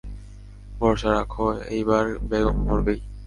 ভরসা রাখো, এইবার বেগম মরবেই।